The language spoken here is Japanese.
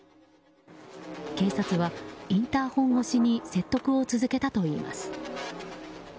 警察はインターホン越しに説得を続けたといいます。